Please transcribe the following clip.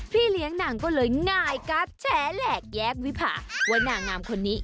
พี่เลี้ยงนางก็เลยหงายการ์ดแฉแหลกแยกวิภาว่านางงามคนนี้